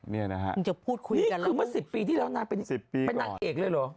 นี่คือเมื่อสิบปีที่เรานานเป็นนางเอกเลยหรอ